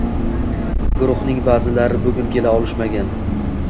Guruhning baʼzilari bugun kela olishmagan.